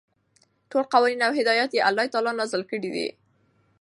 ټول قوانين او هدايات يي الله تعالى نازل كړي دي ،